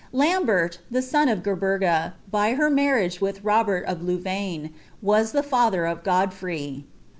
l>nheTt. the ion of Gerberga, by her marriage wilh Koherl of Louvaine, WM the falbrr of Godfrey.